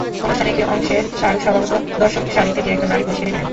অনুষ্ঠানের একটি অংশে শাহরুখ স্বভাবমতো দর্শকসারি থেকে একজন নারী পুলিশকে ডেকে নেন।